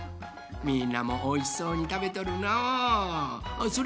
みんなもおいしそうにたべとるのう。